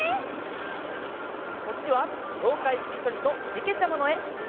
こっちは「ようかいしりとり」とけけちゃまのえ！